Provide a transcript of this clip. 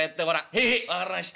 「へいへい分かりました。